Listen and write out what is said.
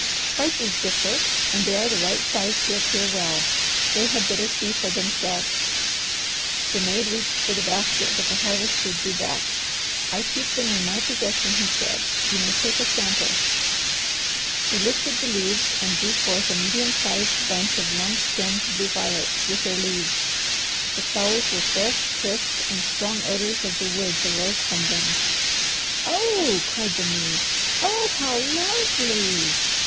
"Prices differ, and they are the right size to appear well. They had better see for themselves." The maid reached for the basket, but the Harvester drew back. "I keep them in my possession," he said. "You may take a sample." He lifted the leaves and drew forth a medium sized bunch of long stemmed blue violets with their leaves. The flowers were fresh, crisp, and strong odours of the woods arose from them. "Oh!" cried the maid. "Oh, how lovely!"